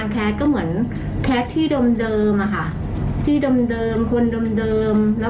กลุ่มโมเดลลิ้ม